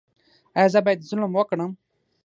ایا زه باید ظلم وکړم؟